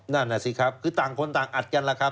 นั่นน่ะสิครับคือต่างคนต่างอัดกันล่ะครับ